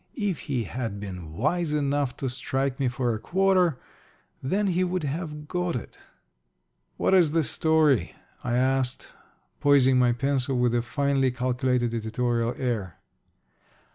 If he had been wise enough to strike me for a quarter then he would have got it. "What is the story?" I asked, poising my pencil with a finely calculated editorial air.